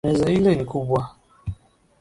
Meza ile ni kubwa.